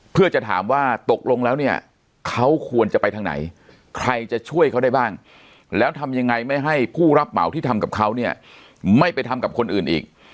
เพื่อจะถามว่าตกลงแล้วเนี่ยเขาควรจะไปทางไหนใครจะช่วยเขาได้บ้างแล้วทำยังไงไม่ให้ผู้รับเหมาที่ทำกับเขาเนี่ยไม่ไปทำกับคนอื่นอีก